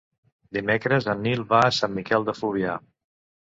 Dimecres en Nil va a Sant Miquel de Fluvià.